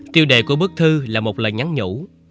tiêu đề của bức thư là một lời nhắn nhủ